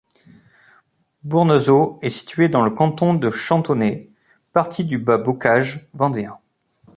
Bournezeau est située dans le canton de Chantonnay, partie du bas bocage vendéen.